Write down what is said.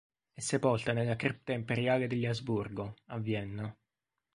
È sepolta nella Cripta Imperiale degli Asburgo, a Vienna.